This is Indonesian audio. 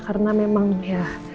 karena memang ya